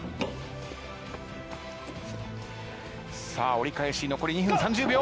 折り返し残り２分３０秒。